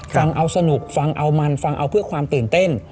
ฟังเอาสนุกฟังเอามันฟังเอาเพื่อความตื่นเต้น